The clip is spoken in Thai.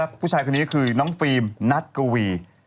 ผู้ชายคนนี้คือน้องฟิล์มนัดกวี